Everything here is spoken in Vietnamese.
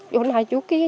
vô này vô kia